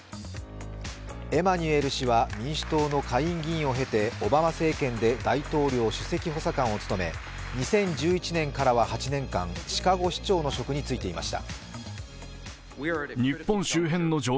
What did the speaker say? エマニュエル氏は民主党の下院議員を経てオバマ政権で大統領首席補佐官を務め２０１１年からは８年間シカゴ市長の職に就いていました。